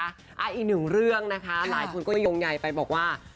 อีกหนึ่งเรื่องนะคะหลายคนก็ยงใยไปบอกว่า